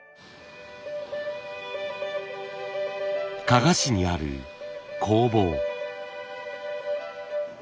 加賀市にある工房。